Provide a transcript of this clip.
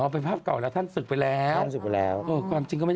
อ๋อเป็นภาพเก่าแล้วท่านศึกไปแล้ว